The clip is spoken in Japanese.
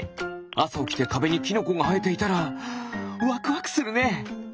あさおきてかべにキノコがはえていたらワクワクするね！